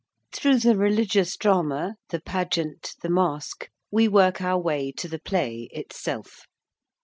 Through the Religious Drama, the Pageant, the Masque, we work our way to the Play itself.